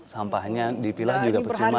sampahnya dipilah juga percuma